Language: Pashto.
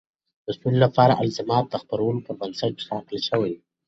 د سولې لپاره الزامات د خبرو پر بنسټ ټاکل شوي.